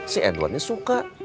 si edwardnya suka